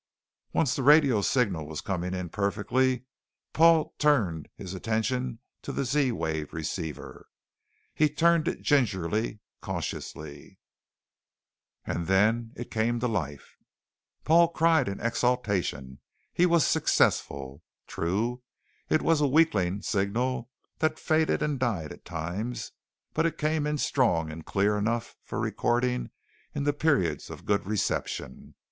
Once the radio signal was coming in perfectly, Paul turned his attention to the Z wave receiver. He tuned it gingerly, cautiously. And then it came to life! Paul cried in exultation. His was success! True, it was a weakling signal that faded and died at times, but it came in strong and clear enough for recording in the periods of good reception.